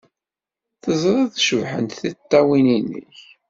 Teẓriḍ cebḥent tiṭṭawin-nnek?